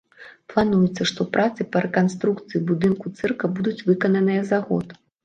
Плануецца, што працы па рэканструкцыі будынку цырка будуць выкананыя за год.